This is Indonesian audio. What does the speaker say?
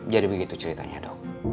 jadi begitu ceritanya dok